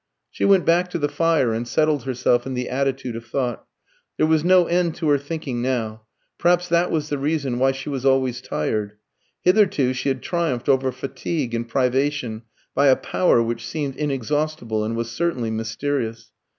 She went back to the fire, and settled herself in the attitude of thought. There was no end to her thinking now. Perhaps that was the reason why she was always tired. Hitherto she had triumphed over fatigue and privation by a power which seemed inexhaustible, and was certainly mysterious.